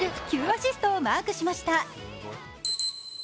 ９アシストをマークしました。